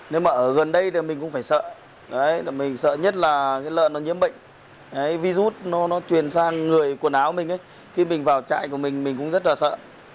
nếu mà ở gần đây thì mình cũng phải sợ mình sợ nhất là cái lợn nó nhiễm bệnh virus nó truyền sang người quần áo mình khi mình vào trại của mình mình cũng rất là sợ